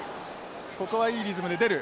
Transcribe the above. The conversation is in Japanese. ここはいいリズムで出る。